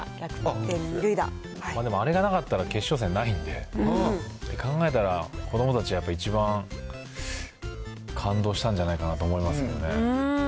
でもあれがなかったら決勝戦ないんで、考えたら子どもたち、やっぱり一番感動したんじゃないかなと思いますけどね。